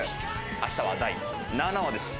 明日は第７話です。